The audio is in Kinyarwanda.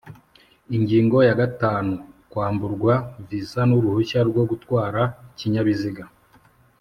Ingingo ya gatanu Kwamburwa viza n uruhushya rwo gutwara ikinyabiziga